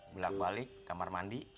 belak balik kamar mandi